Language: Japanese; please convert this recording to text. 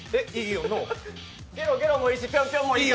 ゲロゲロもいいし、ピョンピョンもいい。